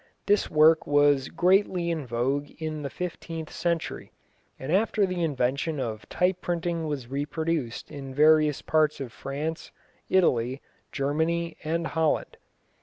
This work was greatly in vogue in the fifteenth century, and after the invention of type printing was reproduced in various parts of France, Italy, Germany and Holland.